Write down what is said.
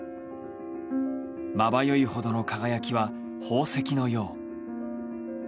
まばゆいほどの輝きは宝石のよう。